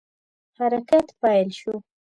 حرکت پیل شو.